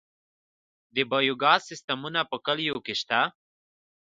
د بایو ګاز سیستمونه په کلیو کې شته؟